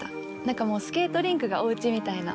何かもうスケートリンクがお家みたいな。